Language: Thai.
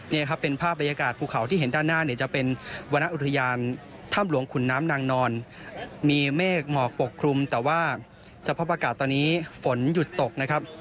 นี่ครับเป็นภาพบรรยากาศภูเขาที่เห็นด้านหน้าเนี่ยจะเป็นวรรณอุทยานถ้ำหลวงขุนน้ำนางนอนมีเมฆหมอกปกคลุมแต่ว่าสภาพอากาศตอนนี้ฝนหยุดตกนะครับ